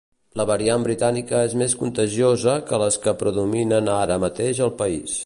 La variant britànica és més contagiosa que les que predominen ara mateix al país.